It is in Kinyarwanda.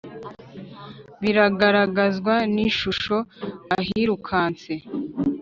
Biragaragazwa n’ishusho ahirukanse